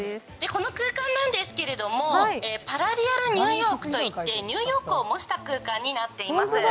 この空間なんですけれども、パラリアルニューヨークといってニューヨークを模した空間になっています。